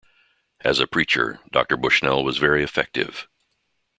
As a preacher, Doctor Bushnell was very effective.